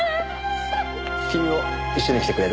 君も一緒に来てくれる？